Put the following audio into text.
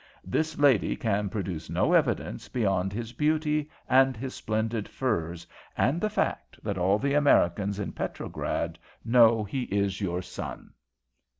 This lady can produce no evidence beyond his beauty and his splendid furs and the fact that all the Americans in Petrograd know he is your son."